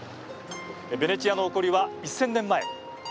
ベネチアの起こりは１０００年前。